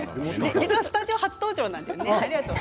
実はスタジオ初登場だったんですよね。